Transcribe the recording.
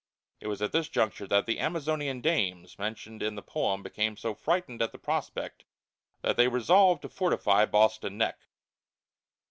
It was at this juncture that the "Amazonian Dames" mentioned in the poem became so frightened at the prospect that they resolved to fortify Boston neck.